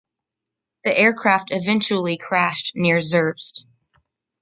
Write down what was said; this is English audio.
The aircraft eventually crashed near Zerbst.